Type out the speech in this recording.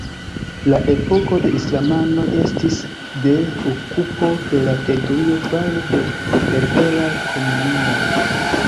La epoko de islamanoj estis de okupo de la teritorio fare de berberaj komunumoj.